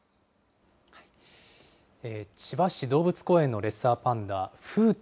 千葉市動物公園のレッサーパンダ、風太。